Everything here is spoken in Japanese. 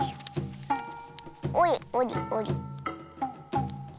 おりおりおり。